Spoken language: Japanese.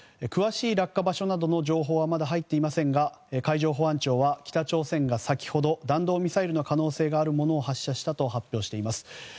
詳しい落下場所などの情報はまだ入っていませんが海上保安庁は、北朝鮮が先ほど、弾道ミサイルの可能性があるものを発射したと発表しています。